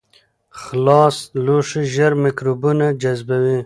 خلاص لوښي ژر میکروبونه جذبوي.